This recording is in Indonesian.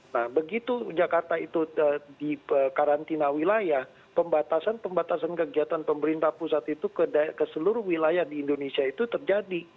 nah begitu jakarta itu di karantina wilayah pembatasan pembatasan kegiatan pemerintah pusat itu ke seluruh wilayah di indonesia itu terjadi